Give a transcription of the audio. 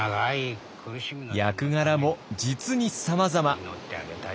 役柄も実にさまざま。